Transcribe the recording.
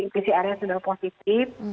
pcr nya sudah positif